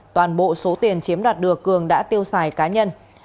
toàn bộ số tiền chiếm đoạt được cường đã tiêu xài cá nhân